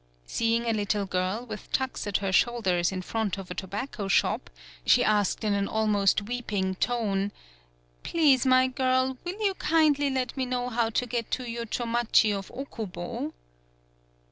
See ing a little girl with tucks at her shoul ders in front of a tobacco shop, she asked in an almost weeping tone: "Please, my girl, will you kindly let me know how to get to Yochomachi of Okubo?"